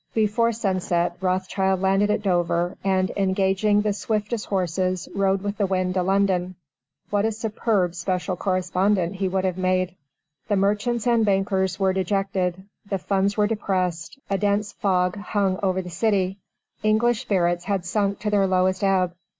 Before sunset Rothschild landed at Dover; and engaging the swiftest horses, rode with the wind to London. What a superb special correspondent he would have made! The merchants and bankers were dejected; the funds were depressed; a dense fog hung over the city; English spirits had sunk to their lowest ebb.